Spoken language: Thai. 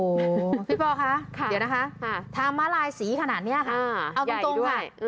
โอ้โหพี่ปอคะเดี๋ยวนะคะทางมาลายสีขนาดนี้ค่ะเอาตรงค่ะ